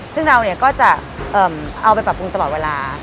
ซึ่งเราก็จะเอาไปปรับปรุงตลอดเวลา